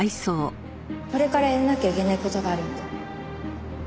これからやらなきゃいけない事があるんで。